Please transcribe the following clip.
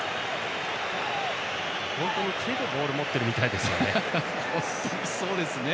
本当に手でボールを持っているみたいですよね。